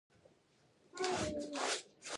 هغوی یوځای د صادق ګلونه له لارې سفر پیل کړ.